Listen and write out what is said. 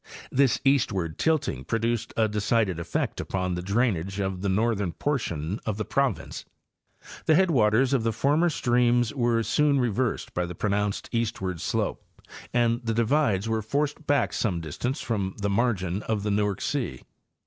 This eastward tilting produced a decided effect upon the drainage of the northern portion of the province. 'The headwaters of the former streams were soon re versed by the pronounced eastward slope and the divides were forced back some distance from the margin of the Newark 'sea.